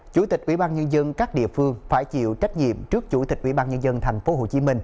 chủ tịch ubnd các địa phương phải chịu trách nhiệm trước chủ tịch ubnd tp hcm